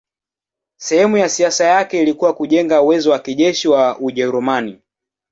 Sehemu ya siasa yake ilikuwa kujenga uwezo wa kijeshi wa Ujerumani.